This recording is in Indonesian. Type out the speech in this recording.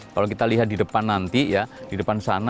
kalau kita lihat di depan nanti ya di depan sana